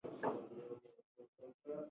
درمل جوړونکي د علم او صنعت ګډه کارګاه لري.